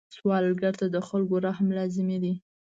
سوالګر ته د خلکو رحم لازمي دی